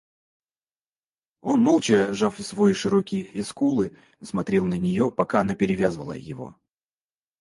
Он, молча сжав свои широкие скулы, смотрел на нее, пока она перевязывала его.